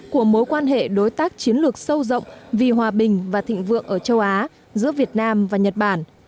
của mối quan hệ đối tác chiến lược sâu rộng vì hòa bình và thịnh vượng ở châu á giữa việt nam và nhật bản